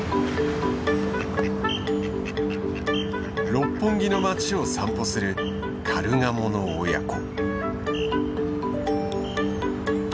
六本木の街を散歩するカルガモの親子。